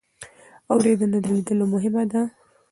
اورېدنه له لیدلو مهمه ده.